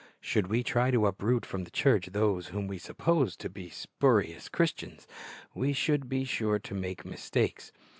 Should we try to uproot from the church those whom we suppose to be spurious Christians, we should be sure to make mistakes.